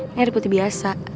ini air putih biasa